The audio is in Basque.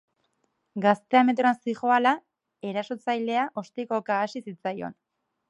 Gaztea metroan zihoala, erasotzailea ostikoka hasi zitzaion.